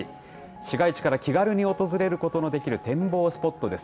市街地から気軽に訪れることができる展望スポットです。